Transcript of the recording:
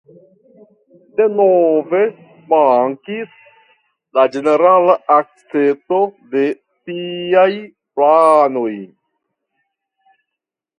Denove mankis la ĝenerala akcepto de tiaj planoj.